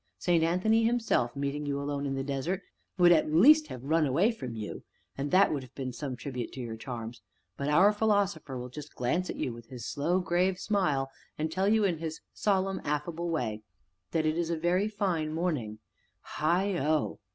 St. Anthony himself, meeting you alone in the desert, would, at least, have run away from you, and that would have been some tribute to your charms, but our philosopher will just glance at you with his slow, grave smile, and tell you, in his solemn, affable way that it is a very fine morning heigho!"